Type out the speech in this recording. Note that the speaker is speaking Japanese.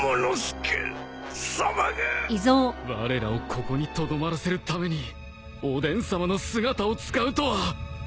われらをここにとどまらせるためにおでんさまの姿を使うとは。